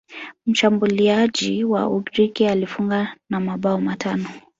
mshambuliaji wa ugiriki alifunga na mabao matano